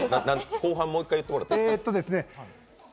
後半もう一回言ってもらっていい？